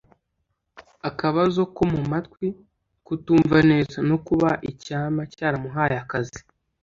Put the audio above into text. akabazo ko mu matwi (kutumva neza) no kuba icyama cyaramuhaye akazi